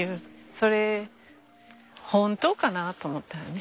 「それ本当かな？」と思ったよね。